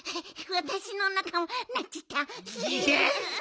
わたしのおなかもなっちゃった！